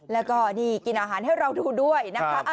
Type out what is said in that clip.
แล้วก็นี่กินอาหารให้เราดูด้วยนะคะ